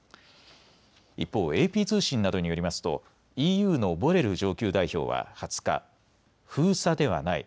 一方、ＡＰ通信などによりますとＥＵのボレル上級代表は２０日、封鎖ではない。